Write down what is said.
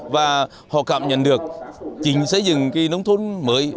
và họ cảm nhận được chính xây dựng cái nông thôn mới